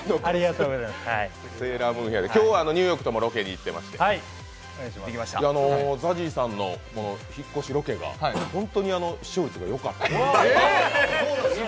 今日はニューヨークともロケに行っていましてＺＡＺＹさんの引っ越しロケが本当に視聴率がよかった。